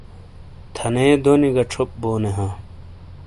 تھنے دونی کا چھوپ بونے ہاں۔